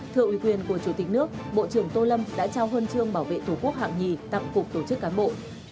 thưa uy quyền của chủ tịch nước bộ trưởng tô lâm đã trao huân chương bảo vệ tổ quốc hạng nhì tặng cục tổ chức cán bộ